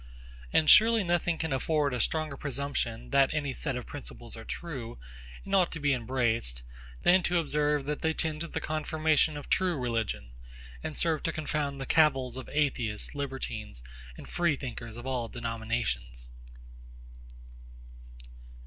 And, surely nothing can afford a stronger presumption, that any set of principles are true, and ought to be embraced, than to observe that they tend to the confirmation of true religion, and serve to confound the cavils of Atheists, Libertines, and Freethinkers of all denominations.